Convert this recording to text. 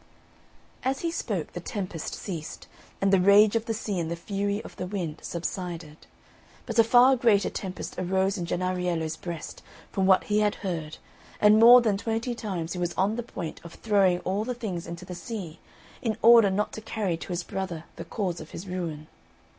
As he spoke, the tempest ceased, and the rage of the sea and the fury of the wind subsided. But a far greater tempest arose in Jennariello's breast, from what he had heard, and more than twenty times he was on the point of throwing all the things into the sea, in order not to carry to his brother the cause of his ruin.